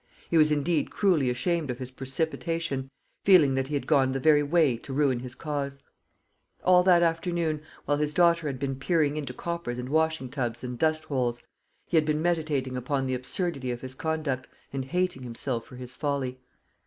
He was indeed cruelly ashamed of his precipitation, feeling that he had gone the very way to ruin his cause. All that afternoon, while his daughter had been peering into coppers and washing tubs and dustholes, he had been meditating upon the absurdity of his conduct, and hating himself for his folly.